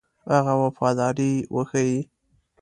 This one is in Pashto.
هغه وفاداري وښيي.